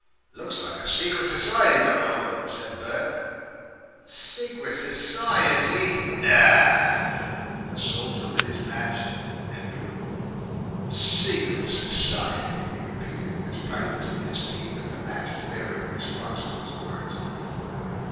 "Looks like a secret society got hold of them," said Bert. "Secret society! NAW!" The soldier lit his match, and drew. "Secret society," he repeated, with his pipe between his teeth and the match flaring, in response to his words.